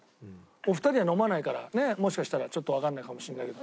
お二人は飲まないからねもしかしたらちょっとわかんないかもしれないけど。